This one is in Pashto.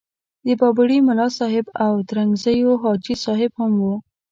د بابړي ملاصاحب او ترنګزیو حاجي صاحب هم وو.